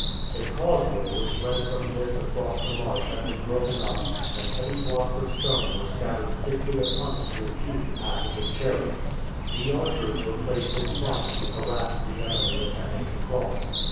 A causeway which led from this across the marsh had been broken up, and heavy blocks of stone were scattered thickly upon it to impede the passage of chariots. The archers were placed in front to harass the enemy attempting to cross.